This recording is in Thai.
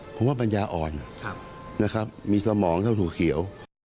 ผมว่าปัญญาอ่อนนะครับมีสมองเข้าสู่เขียว